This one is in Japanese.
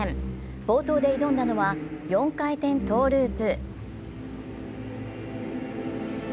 冒頭で挑んだのは４回転トゥループ。